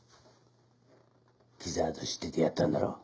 木沢と知っててやったんだろ？